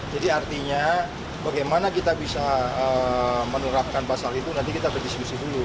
jadi artinya bagaimana kita bisa menerapkan basal itu nanti kita berdiskusi dulu